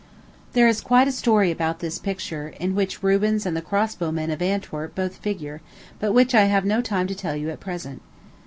There is quite a story about this picture, in which Rubens and the crossbow men of Antwerp both figure, but which I have no time to tell you at present.